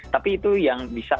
tapi itu yang bisa